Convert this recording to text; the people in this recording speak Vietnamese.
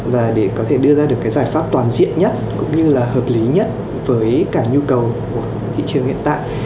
và để có thể đưa ra được cái giải pháp toàn diện nhất cũng như là hợp lý nhất với cả nhu cầu của thị trường hiện tại